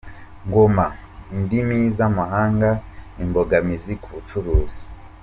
Ngoma Indimi z’amahanga, imbogamizi ku bucuruzi